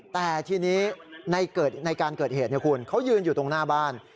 แต่ทีนี้ในการเกิดเหตุคุณเขายืนอยู่ตรงหน้าบ้าน